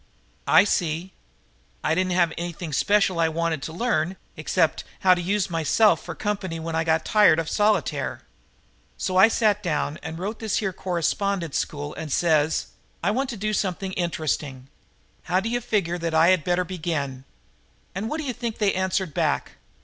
"I see." "I didn't have anything special I wanted to learn except how to use myself for company when I got tired of solitaire. So I sat down and wrote to this here correspondence school and says: 'I want to do something interesting. How d'you figure that I had better begin?' And what d'you think they answered back?"